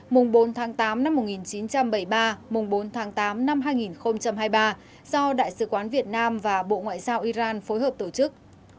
mùng bốn tháng tám năm một nghìn chín trăm bảy mươi ba mùng bốn tháng tám năm hai nghìn hai mươi ba do đại sứ quán việt nam và bộ ngoại giao iran phối hợp tổ chức